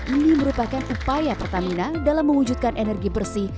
ini merupakan upaya pertamina dalam mewujudkan energi bersih